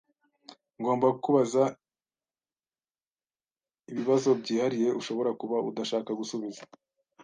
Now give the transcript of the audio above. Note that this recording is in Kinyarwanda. Ngomba kukubaza ibibazo byihariye ushobora kuba udashaka gusubiza.